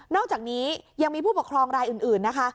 อกจากนี้ยังมีผู้ปกครองรายอื่นนะคะ